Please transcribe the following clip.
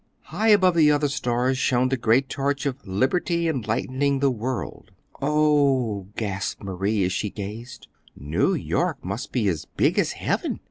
High above the other stars shone the great torch of "Liberty enlightening the World." "Oh," gasped Marie, as she gazed, "New York must be as big as heaven.